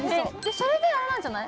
それであれなんじゃない？